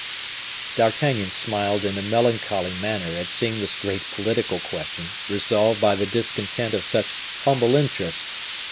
D'Artagnan smiled in a melancholy manner at seeing this great political question resolved by the discontent of such humble interest.